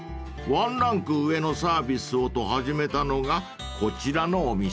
［「ワンランク上のサービスを」と始めたのがこちらのお店］